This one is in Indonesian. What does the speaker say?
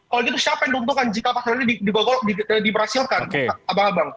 kalau begitu siapa yang diuntungkan jika pasal ini diberhasilkan